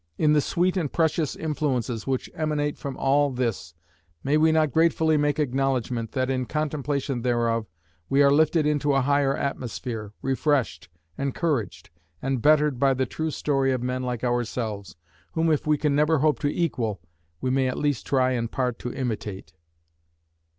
In the sweet and precious influences which emanate from all this, may we not gratefully make acknowledgment that in contemplation thereof we are lifted into a higher atmosphere, refreshed, encouraged, and bettered by the true story of men like ourselves, whom if we can never hope to equal, we may at least try in part to imitate.